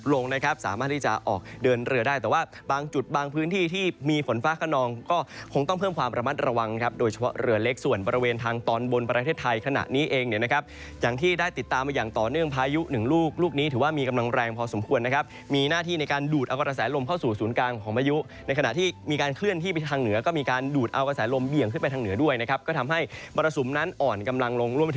โดยเฉพาะเหลือเล็กส่วนบริเวณทางตอนบนประเทศไทยขนาดนี้เองนะครับอย่างที่ได้ติดตามอย่างต่อเนื่องพายุหนึ่งลูกลูกนี้ถือว่ามีกำลังแรงพอสมควรนะครับมีหน้าที่ในการดูดเอากระแสลมเข้าสู่ศูนย์กลางของประยุในขณะที่มีการเคลื่อนที่ไปทางเหนือก็มีการดูดเอากระแสลมเบี่ยงขึ้นไปทางเหนือด้วยนะครับก็ทำ